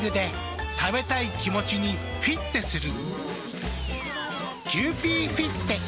食べたい気持ちにフィッテする。